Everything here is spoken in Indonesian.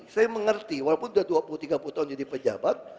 saya mengerti walaupun sudah dua puluh tiga puluh tahun jadi pejabat